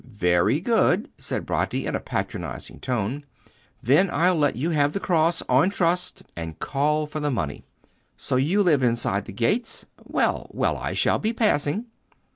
"Very good," said Bratti, in a patronising tone; "then I'll let you have the cross on trust, and call for the money. So you live inside the gates? Well, well, I shall be passing."